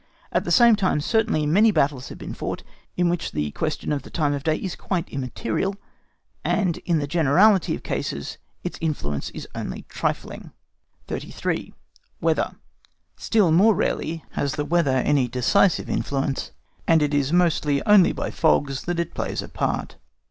At the same time, certainly many battles may be fought in which the question of the time of day is quite immaterial, and in the generality of cases its influence is only trifling. 33. WEATHER. Still more rarely has the weather any decisive influence, and it is mostly only by fogs that it plays a part.